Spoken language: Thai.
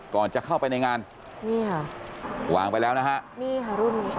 ก่อนจะเข้าไปในงานนี่ค่ะวางไปแล้วนะฮะนี่ค่ะรุ่นนี้